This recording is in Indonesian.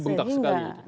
itu bengkak sekali